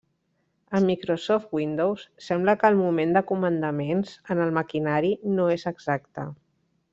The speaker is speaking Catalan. En Microsoft Windows, sembla que el moment de comandaments en el maquinari no és exacta.